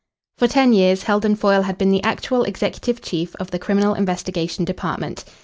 For ten years Heldon Foyle had been the actual executive chief of the Criminal Investigation Department.